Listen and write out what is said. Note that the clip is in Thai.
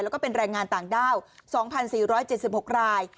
แล้วก็เป็นแรงงานต่างด้าว๒๔๗๖ราย